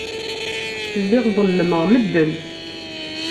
Lliɣ ḍellmeɣ medden.